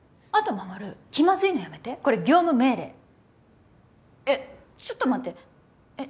衛気まずいのやめてこれ業務命令えっちょっと待ってえっ